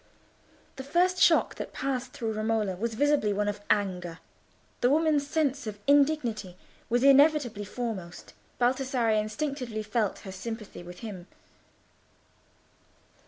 The first shock that passed through Romola was visibly one of anger. The woman's sense of indignity was inevitably foremost. Baldassarre instinctively felt her in sympathy with him.